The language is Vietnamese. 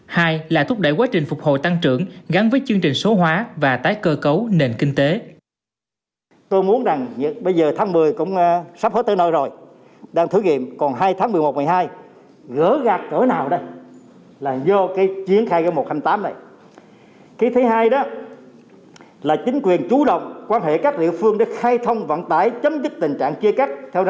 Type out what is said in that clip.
hai là thúc đẩy quá trình phục hồi tăng trưởng gắn với chương trình số hóa và tái cơ cấu nền kinh tế